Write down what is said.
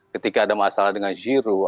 ketika ada masalah dengan zero